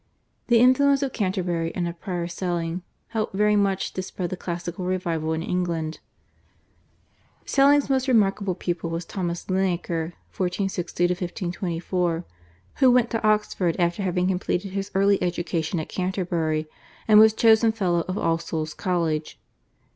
The influence of Canterbury and of Prior Selling helped very much to spread the classical revival in England. Selling's most remarkable pupil was Thomas Linacre (1460 1524), who went to Oxford after having completed his early education at Canterbury, and was chosen Fellow of All Soul's College.